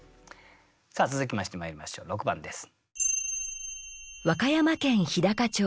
さあ続きましてまいりましょう６番です。